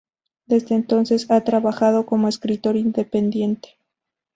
Desde entonces ha trabajado como escritor independiente.